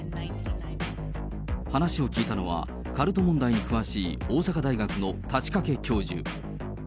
話を聞いたのは、カルト問題に詳しい大阪大学の太刀掛教授。